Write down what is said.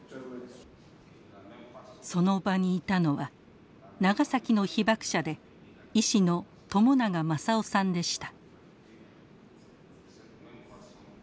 その場にいたのは長崎の被爆者で医師の朝長万左男さんでした。